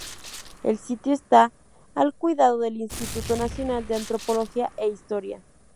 El sitio está al cuidado del Instituto Nacional de Antropología e Historia.